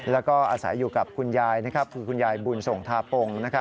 แล้วก็อาศัยอยู่กับคุณยายคือคุณยายบุญส่งทาปง